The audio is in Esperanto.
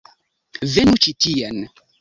Venu ĉi tien